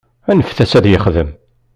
Anfet-as ad t-yexdem.